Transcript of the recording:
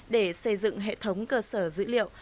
để xây dựng hệ thống cơ sở dữ liệu